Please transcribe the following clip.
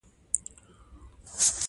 مسکین مه تحقیر کړه، الله ته عزیز وي.